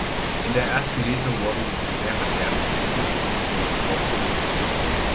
In der ersten Lesung wurden diese Sperrreserven für Mittelbewilligungen aufgehoben.